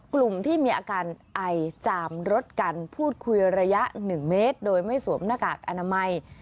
กลุ่มที่มีอาการไอจามรถกันพูดคุยระยะ๑เมตรโดยไม่สวมหน้ากากอนามัย